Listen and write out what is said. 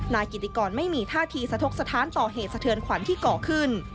นายกิติกรไม่มีท่าทีสะทกสถานต่อเหตุสะเทือนขวัญที่ก่อขึ้น